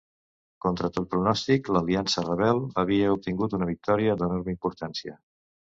Contra tot pronòstic, l'Aliança Rebel havia obtingut una victòria d'enorme importància.